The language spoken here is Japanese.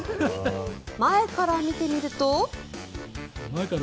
前から見てみると。